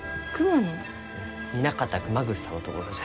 南方熊楠さんのところじゃ。